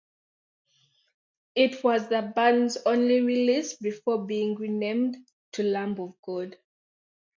It was the band's only release before being re-named to Lamb of God.